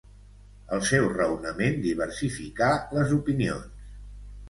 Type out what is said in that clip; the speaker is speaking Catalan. El seu raonament diversificà les opinions.